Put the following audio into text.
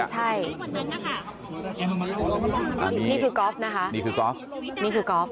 ใช่นี่คือกอล์ฟนะคะนี่คือกอล์ฟนี่คือกอล์ฟ